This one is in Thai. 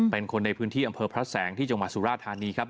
เป็นคนในพื้นที่อำเภอพระแสงที่จังหวัดสุราธานีครับ